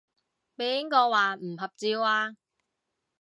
邊個話唔合照啊？